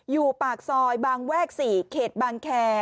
อยู่ปากซอยบางแวก๔เขตบางแคร์